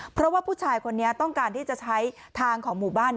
เพราะว่าผู้ชายคนนี้ต้องการที่จะใช้ทางของหมู่บ้าน